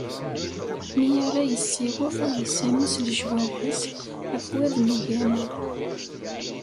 Mi ara yessiweḍ ad isami s lejwareḥ-is afwad n ugama.